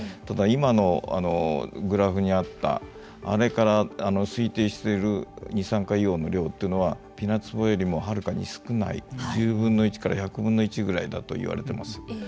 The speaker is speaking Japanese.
ただ、今のグラフにあったあれから推定している二酸化硫黄の量はピナツボよりも、はるかに少ない１０分の１から１００分の１ぐらいだと言われています。